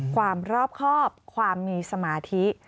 ความรอบครอบความมีสมาธิ